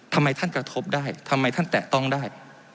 ทำไมท่านกระทบได้ทำไมท่านแตะต้องได้